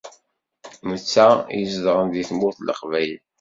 Netta i izedɣen di Tmurt n Leqbayel.